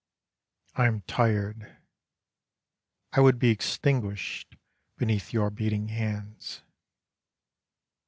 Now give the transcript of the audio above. I am tired: I would be extinguished beneath your beating hands.